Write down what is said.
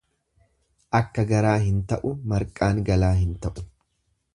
Akka garaa hin ta'u, marqaan galaa hin ta'u.